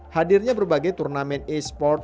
hadirnya berbagai turnamen esport